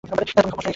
তুমি কি করছ এখানে?